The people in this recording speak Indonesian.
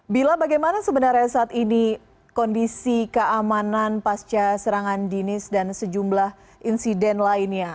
bila bagaimana sebenarnya saat ini kondisi keamanan pasca serangan dinis dan sejumlah insiden lainnya